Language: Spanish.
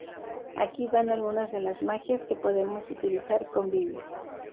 Aquí van algunas de las magias que podemos utilizar con Vivi.